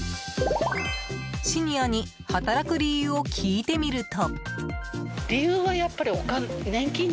シニアに働く理由を聞いてみると。